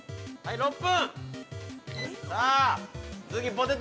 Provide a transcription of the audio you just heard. ６分。